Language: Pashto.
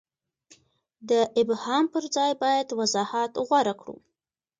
د ابهام پر ځای باید وضاحت غوره کړو.